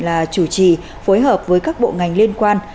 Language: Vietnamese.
là chủ trì phối hợp với các bộ ngành liên quan